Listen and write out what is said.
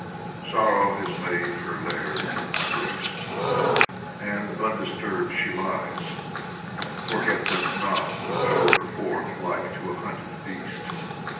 Sorrow has made her lair in my breast, And undisturbed she lies forget them not That drove her forth like to a hunted beast